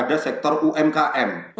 pada sektor umkm